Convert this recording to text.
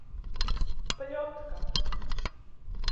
Pļotka.